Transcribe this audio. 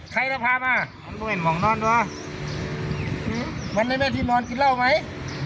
ใครจะพามามันไม่เห็นมองนอนด้วยหือมันเลยแม่ที่มอนกินเล่าไหม